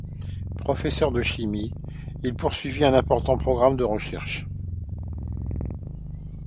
Professeur de chimie, il poursuit un important programme de recherche.